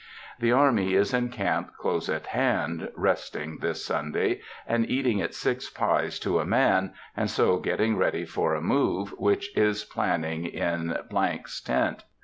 The army is in camp close at hand, resting, this Sunday, and eating its six pies to a man, and so getting ready for a move, which is planning in ——'s tent.